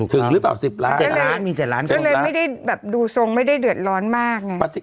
ถึงหรือเปล่าสิบล้านมีเจ็ดล้านไม่ได้แบบดูทรงไม่ได้เดือดร้อนมากไง